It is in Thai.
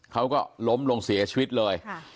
เขาก็ล้มลงเสียชีวิตเลย